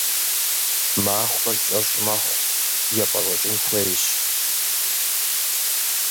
Махуэр кӏэщӏ мэхъу, епӏэщӏэкӏын хуейщ.